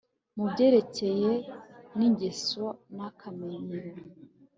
mu Byerekeranye nIngeso nAkamenyero